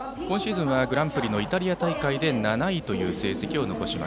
今シーズンはグランプリのイタリア大会で７位という成績。